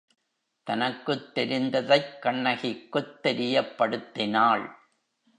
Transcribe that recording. தனக்குத் தெரிந்ததைக் கண்ணகிக்குத் தெரியப்படுத்தினாள்.